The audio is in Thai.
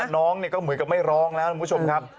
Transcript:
น้องก็เหมือนกับไม่ร้องแล้วคุณผู้ชมครับ